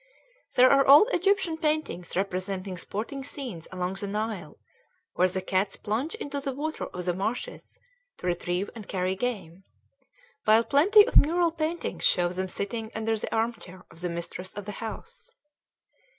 There are old Egyptian paintings representing sporting scenes along the Nile, where the cats plunge into the water of the marshes to retrieve and carry game; while plenty of mural paintings show them sitting under the arm chair of the mistress of the house.